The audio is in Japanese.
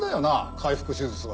開腹手術は。